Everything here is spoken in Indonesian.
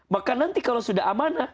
maka nanti kalau sudah amanah